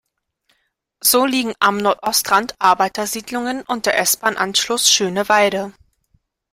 So liegen am Nordostrand Arbeitersiedlungen und der S-Bahn-Anschluss Schöneweide.